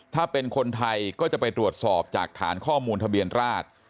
ถ้าเป็นคนไทยก็จะไปตรวจสอบจากฐานข้อมูลทะเบียนราช